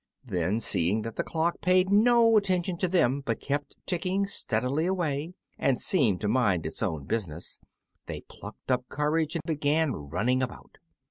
Then, seeing that the clock paid no attention to them, but kept ticking steadily away and seemed to mind its own business, they plucked up courage and began running about.